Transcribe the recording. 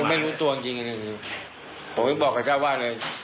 ไม่รู้ตัวจริงผมยังบอกกับเจ้าบ้านเลย